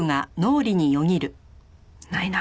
ないな。